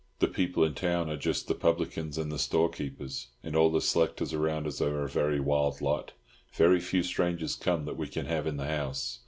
The people in town are just the publicans and the storekeeper, and all the selectors around us are a very wild lot. Very few strangers come that we can have in the house.